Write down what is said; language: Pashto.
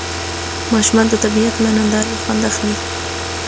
ماشومان د طبیعت له نندارې خوند اخلي